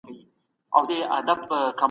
ايا موږ د هغوی ليکنې اوس هم لولو؟